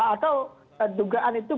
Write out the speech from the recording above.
atau dugaan itu